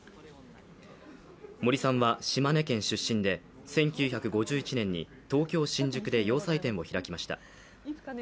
森さんは島根県出身で１９５１年に東京・新宿で洋裁店を開きました。